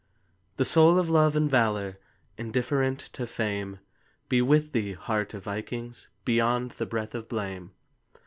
The soul of love and valor, Indifferent to fame, Be with thee, heart of vikings, Beyond the breath of blame.